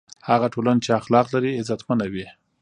هغه ټولنه چې اخلاق لري، عزتمنه وي.